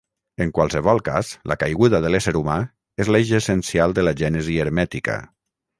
En qualsevol cas, la caiguda de l'ésser humà és l'eix essencial de la gènesi hermètica.